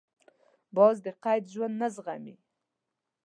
باز د قید ژوند نه زغمي